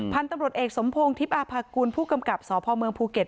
พันธุ์ตำรวจเอกสมพงศ์ทิพย์อาภากุลผู้กำกับสพเมืองภูเก็ต